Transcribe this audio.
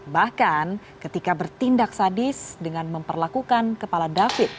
bahkan ketika bertindak sadis dengan memperlakukan kepala david